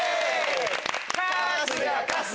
春日春日！